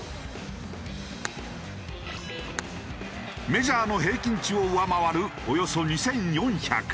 メジャーの平均値を上回るおよそ２４００。